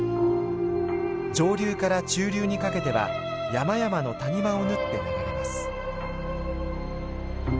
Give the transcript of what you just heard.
上流から中流にかけては山々の谷間を縫って流れます。